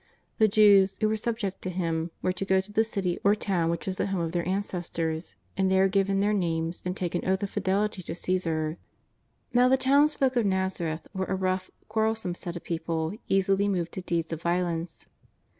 The Jews, who were subject to him, were to go to the city or town which was the home of their ancestors, and there give in their names and take an oath of fidelity to Caesar. N^ow the townsfolk of Nazareth were a rough, quar relsome set of people, easily moved to deeds of violence.